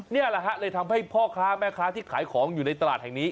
นี่แหละฮะเลยทำให้พ่อค้าแม่ค้าที่ขายของอยู่ในตลาดแห่งนี้